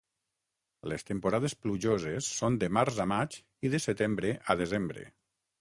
Les temporades plujoses són de març a maig i de setembre a desembre.